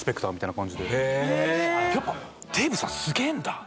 やっぱデーブさんすげえんだ。